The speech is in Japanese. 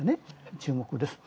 注目です。